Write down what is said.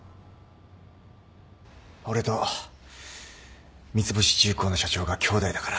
俺と三ツ星重工の社長が兄弟だから。